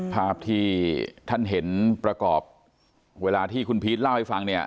ภาพที่ท่านเห็นประกอบเวลาที่คุณพีชเล่าให้ฟังเนี่ย